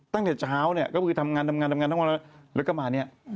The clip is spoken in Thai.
ตั้งแต่เช้าเนี่ยก็คือทำงานแล้วก็มาเนี่ย